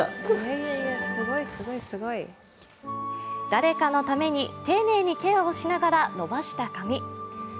誰かのために丁寧にケアをしながら伸ばした髪。